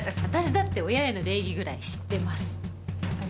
私だって親への礼儀ぐらい知ってます。